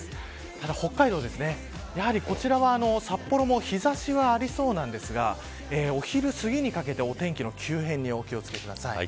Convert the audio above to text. ただ、北海道、こちらは札幌も日差しは理想ですがお昼すぎにかけてお天気急変にお気を付けください。